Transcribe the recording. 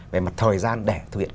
về mặt thời gian để thực hiện